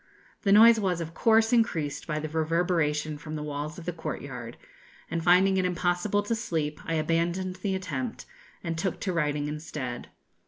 The noise was, of course, increased by the reverberation from the walls of the courtyard, and, finding it impossible to sleep, I abandoned the attempt, and took to writing instead.